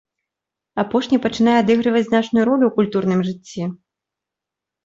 Апошні пачынае адыгрываць значную ролю ў культурным жыцці.